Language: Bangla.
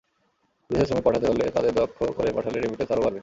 বিদেশে শ্রমিক পাঠাতে হলে তাঁদের দক্ষ করে পাঠালে রেমিট্যান্স আরও বাড়বে।